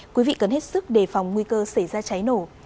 quý vị cần hết sức đề phòng nguy cơ xảy ra cháy nổ